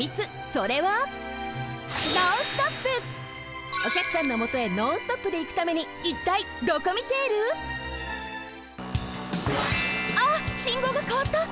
それはおきゃくさんのもとへノンストップでいくためにいったいドコミテール？あっ信号がかわった！